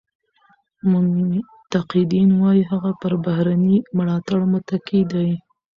منتقدین وایي هغه پر بهرني ملاتړ متکي دی.